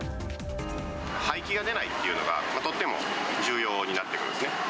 廃棄が出ないっていうのが、とっても重要になってくるんですね。